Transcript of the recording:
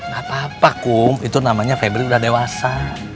gapapa kung itu namanya febri udah dewasa